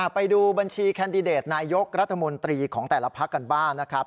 ไปดูบัญชีแคนดิเดตนายกรัฐมนตรีของแต่ละพักกันบ้างนะครับ